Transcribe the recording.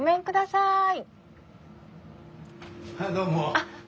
はいどうも。